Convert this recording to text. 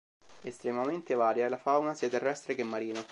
Estremamente varia è la fauna sia terrestre che marina.